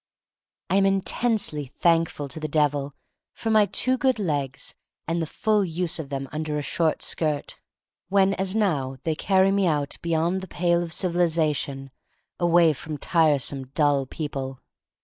I am intensely thankful to the Devil for my two good legs and the full THE STORY OF MARY MAC LANE 3 1 use of them under a short skirt, when, as now, they carry me out beyond the pale of civilization away froni tiresome dull people.